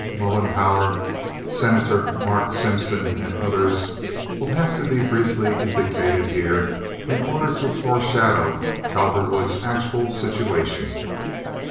Mollenhauer, Senator Mark Simpson, and others, will have to be briefly indicated here, in order to foreshadow Cowperwood's actual situation.